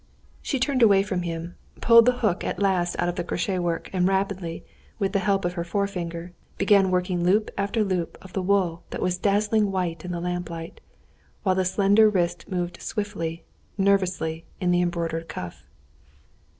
She turned away from him, pulled the hook at last out of the crochet work, and rapidly, with the help of her forefinger, began working loop after loop of the wool that was dazzling white in the lamplight, while the slender wrist moved swiftly, nervously in the embroidered cuff.